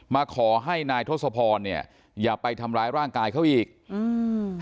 มาขอให้นายทศพรเนี่ยอย่าไปทำร้ายร่างกายเขาอีกอืม